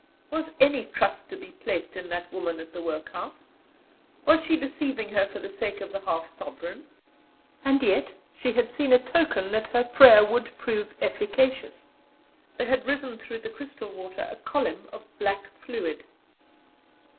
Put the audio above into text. Was any trust to be placed in that woman at the workhouse? Was she deceiving her for the sake of the half sovereign? And yet she had seen a token that her prayer would prove efficacious. There had risen through the crystal water a column of black fluid.